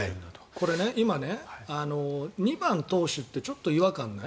これ、２番投手ってちょっと違和感ない？